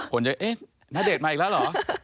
คนจะเอ๊ะณเดชน์มาอีกแล้วเหรอ